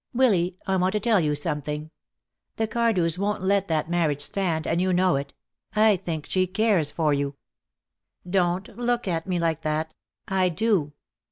"Willy, I want to tell you something. The Cardews won't let that marriage stand, and you know it. I think she cares for you. Don't look at me like that. I do."